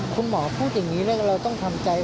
คุณหมอพูดอย่างนี้เรื่องเราต้องทำใจ